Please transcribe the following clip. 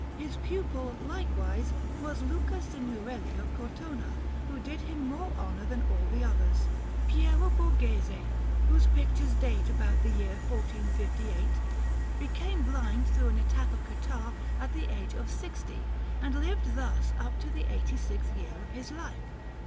His pupil, likewise, was Luca Signorelli of Cortona, who did him more honour than all the others. Piero Borghese, whose pictures date about the year 1458, became blind through an attack of catarrh at the age of sixty, and lived thus up to the eighty sixth year of his life.